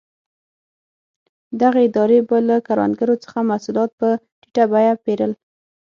دغې ادارې به له کروندګرو څخه محصولات په ټیټه بیه پېرل.